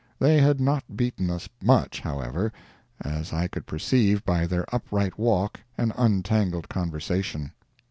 They had not beaten us much, however, as I could perceive by their upright walk and untangled conversation.